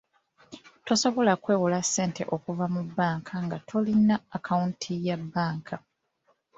Tosobola kwewola ssente okuva mu bbanka nga tolina akaawunti ya bbanka.